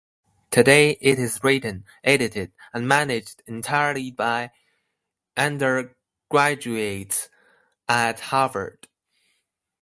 Today it is written, edited, and managed entirely by undergraduates at Harvard.